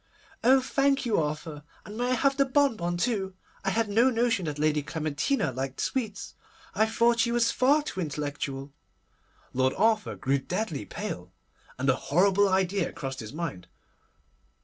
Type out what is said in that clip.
'Oh! thank you, Arthur; and may I have the bonbon too? I had no notion that Lady Clementina liked sweets. I thought she was far too intellectual.' Lord Arthur grew deadly pale, and a horrible idea crossed his mind.